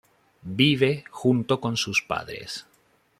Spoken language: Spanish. Vive junto con sus padres.